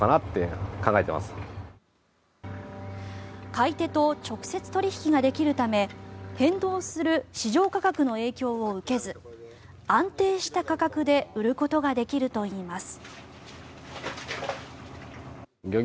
買い手と直接取引ができるため変動する市場価格の影響を受けず安定した価格で売ることができるといいます。